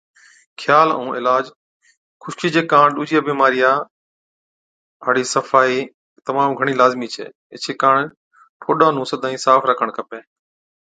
خيال ائُون عِلاج، خُشڪِي چي ڪاڻ ڏُوجِيان بِيمارِيان هاڙِي صفائِي تمام گھڻِي لازمِي ڇَي۔ ايڇي ڪاڻ ٺوڏا نُون سدائِين صاف راکڻ کپَي۔